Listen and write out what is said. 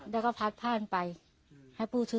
แล้วก็พัดผ้านไปให้ปู่สู้